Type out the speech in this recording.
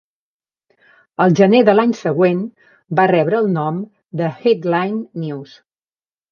Al gener de l'any següent, va rebre el nom de Headline News.